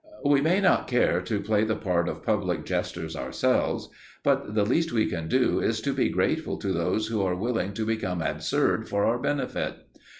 We may not care to play the part of public jesters ourselves, but the least we can do is to be grateful to those who are willing to become absurd for our benefit.